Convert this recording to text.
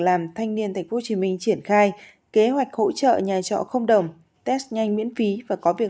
làm thanh niên tp hcm triển khai kế hoạch hỗ trợ nhà trọ không đồng test nhanh miễn phí và có việc